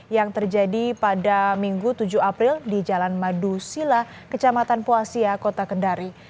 yang terjadi pada minggu tujuh april di jalan madusila kecamatan puasia kota kendari